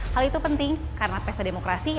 hal itu penting karena pesta demokrasi